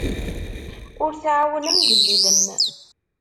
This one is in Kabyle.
Ur tɛawnem igellilen.